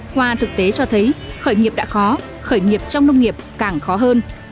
qua thực tế cho thấy khởi nghiệp đã khó khởi nghiệp trong nông nghiệp càng khó hơn